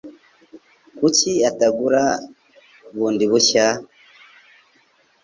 Kuki atagura bundi bushya?